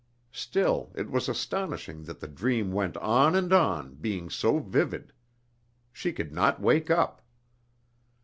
Still, it was astonishing that the dream went on and on being so vivid. She could not wake up!